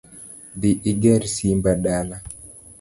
Dhi iger simba dala